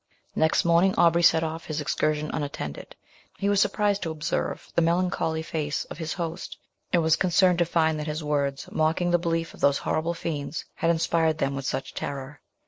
Next morning Aubrey set off upon his excursion unattended; he was surprised to observe the melancholy face of his host, and was concerned to find that his words, mocking the belief of those horrible fiends, had inspired them with such terror.